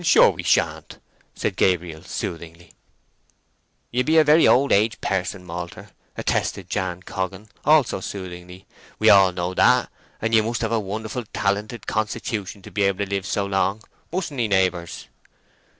"Sure we shan't," said Gabriel, soothingly. "Ye be a very old aged person, malter," attested Jan Coggan, also soothingly. "We all know that, and ye must have a wonderful talented constitution to be able to live so long, mustn't he, neighbours?"